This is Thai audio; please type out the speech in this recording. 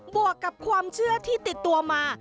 วกกับความเชื่อที่ติดตัวมา